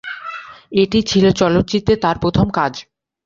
এটি ছিল চলচ্চিত্রে তার প্রথম কাজ।